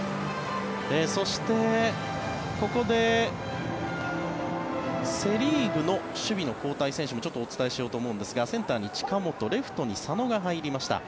そして、ここでセ・リーグの守備の交代選手もちょっとお伝えしようと思うんですがセンターに近本レフトに佐野が入りました。